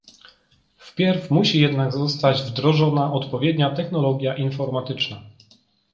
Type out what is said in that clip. Wpierw musi jednak zostać wdrożona odpowiednia technologia informatyczna